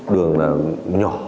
đường là nhỏ